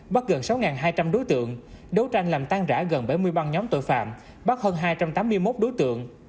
bắt gần sáu hai trăm linh đối tượng đấu tranh làm tan rã gần bảy mươi băng nhóm tội phạm bắt hơn hai trăm tám mươi một đối tượng